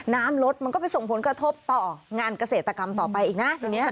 น้ำลดมันก็ไปส่งผลกระทบต่องานเกษตรกรรมต่อไปอีกนะทีนี้